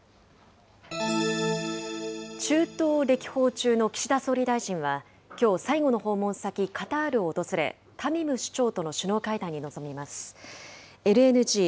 中東歴訪中の岸田総理大臣は、きょう、最後の訪問先、カタールを訪れ、タミム首長との会談に臨みます。